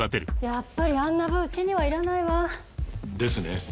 やっぱりあんな部うちにはいらないわ。ですね。